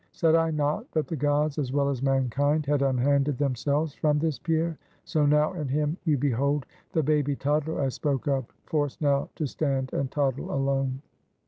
Said I not that the gods, as well as mankind, had unhanded themselves from this Pierre? So now in him you behold the baby toddler I spoke of; forced now to stand and toddle alone.